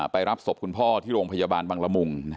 รับศพคุณพ่อที่โรงพยาบาลบังละมุง